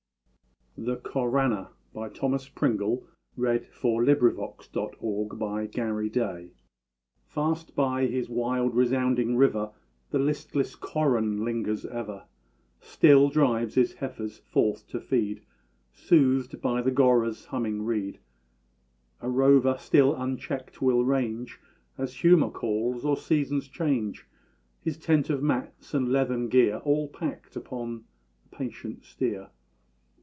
d shout "Our God is nigh!" Thomas Pringle. THE CORANNA. Fast by his wild resounding river The listless Córan lingers ever; Still drives his heifers forth to feed, Soothed by the gorrah's humming reed; A rover still unchecked will range, As humour calls, or seasons change; His tent of mats and leathern gear All packed upon the patient steer.